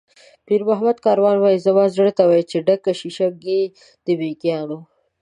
پیرمحمد کاروان وایي: "زما زړه ته وا چې ډکه شیشه ګۍ ده د مېږیانو".